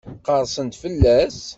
Qerrsen-d fell-as?